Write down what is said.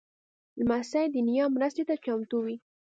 لمسی د نیا مرستې ته چمتو وي.